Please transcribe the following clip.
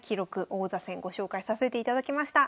王座戦ご紹介させていただきました。